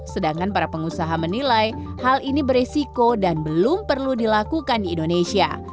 sedangkan para pengusaha menilai hal ini beresiko dan belum perlu dilakukan di indonesia